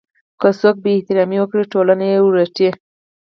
که څوک بې احترامي وکړي ټولنه یې ورټي.